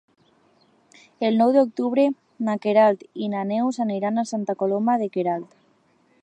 El nou d'octubre na Queralt i na Neus aniran a Santa Coloma de Queralt.